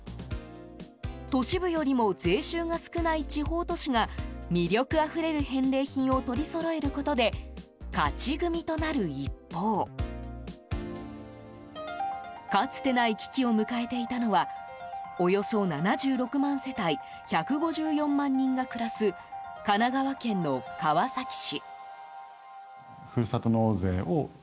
都市部よりも税収が少ない地方都市が魅力あふれる返礼品を取りそろえることで勝ち組となる一方かつてない危機を迎えていたのはおよそ７６万世帯１５４万人が暮らす神奈川県の川崎市。